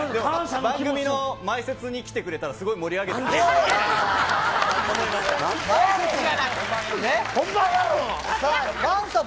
番組の前説に来てくれたらすごい盛り上げてくれそうと本番は。